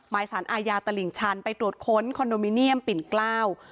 สารอาญาตลิ่งชันไปตรวจค้นคอนโดมิเนียมปิ่นเกล้า